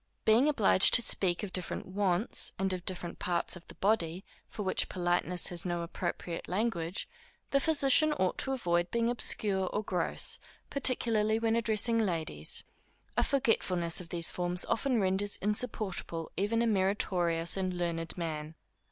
Being obliged to speak of different wants, and of different parts of the body, for which politeness has no appropriate language, the physician ought to avoid being obscure or gross, particularly when addressing ladies. A forgetfulness of these forms often renders insupportable even a meritorious and learned man.